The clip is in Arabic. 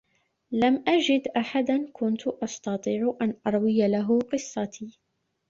لم أجد أحدا كنت أستطيع أن أروي له قصّتي.